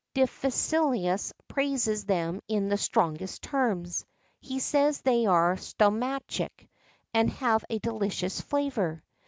Diphilus praises them in the strongest terms; he says they are stomachic, and have a delicious flavour.